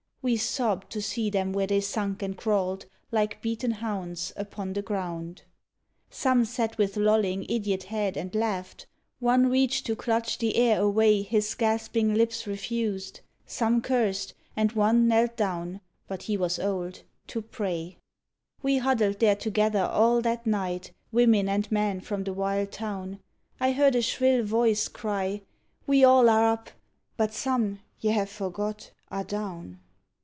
We sobbed to see them where they sunk and crawled, Like beaten hounds, upon the ground. Some sat with lolling, idiot head, and laughed; One reached to clutch the air away His gasping lips refused; some cursed; and one Knelt down but he was old to pray. We huddled there together all that night, Women and men from the wild Town; I heard a shrill voice cry, "We all are up, But some ye have forgot are down!"